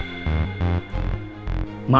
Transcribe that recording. tetapi dialihkan ke orang lain